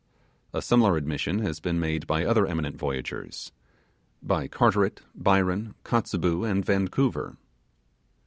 A similar admission has been made by other eminent voyagers: by Carteret, Byron, Kotzebue, and Vancouver.